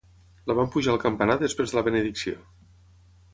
La van pujar al campanar després de la benedicció.